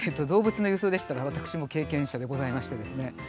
動物の輸送でしたら私も経験者でございましてですね。